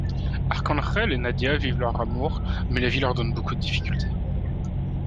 Arcángel et Nadia vivent leur amour, mais la vie leur donne beaucoup de difficultés.